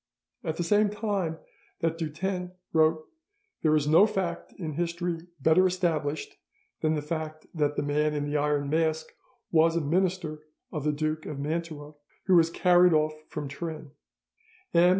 At the same time that Dutens wrote, "There is no fact in history better established than the fact that the Man in the Iron Mask was a minister of the Duke of Mantua who was carried off from Turin," M.